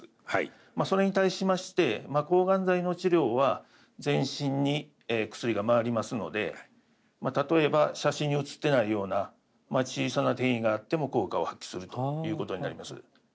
それに対しまして抗がん剤の治療は全身に薬が回りますので例えば写真に写ってないような小さな転移があっても効果を発揮するということになります。